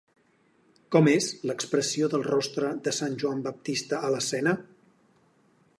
Com és l'expressió del rostre de Sant Joan Baptista a l'escena?